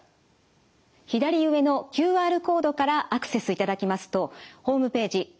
左上のＱＲコードからアクセスいただきますとホームページ